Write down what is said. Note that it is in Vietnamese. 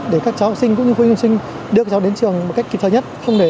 để các cháu học sinh cũng như quân học sinh đưa các cháu đến trường một cách kịp thời nhất